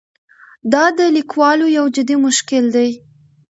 دا د لیکوالو یو جدي مشکل دی.